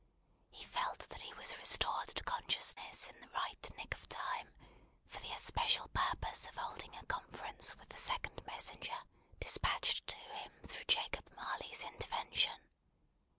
He felt that he was restored to consciousness in the right nick of time, for the especial purpose of holding a conference with the second messenger despatched to him through Jacob Marley's intervention.